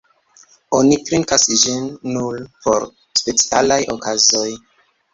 Oni trinkas ĝin nur por specialaj okazoj.